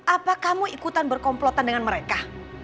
apa kamu ikutan berkomplotan dengan mereka